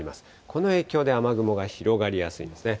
この影響で雨雲が広がりやすいんですね。